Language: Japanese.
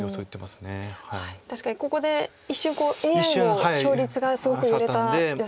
確かにここで一瞬ＡＩも勝率がすごく揺れたヨセでありましたが。